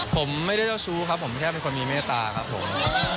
ผมไม่ได้เจ้าชู้ครับผมแค่เป็นคนมีเมตตาครับผม